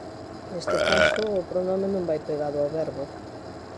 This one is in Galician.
Neste caso o pronome non vai pegado ao verbo.